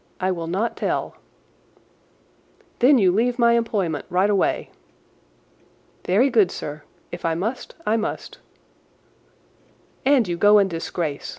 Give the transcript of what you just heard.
I will not tell." "Then you leave my employment right away." "Very good, sir. If I must I must." "And you go in disgrace.